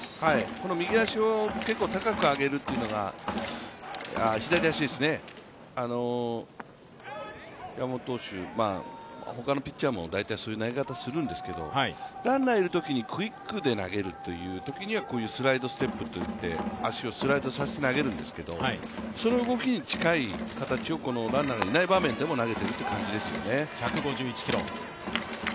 この左足を高く上げるというのが山本投手、他のピッチャーも大体その投げ方をするんですけどランナーいるときにクイックで投げるというときにはこういうスライドステップといって足をスライドさせて投げるんですけど、その動きに近い形をこのランナーがいない場面でも投げているという感じですよね。